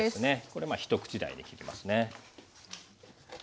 これ一口大で切りますね。